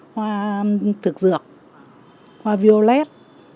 hoa thực dược hoa violet